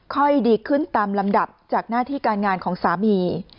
ค่อยดีขึ้นตามลำดับจากหน้าที่การงานของสามี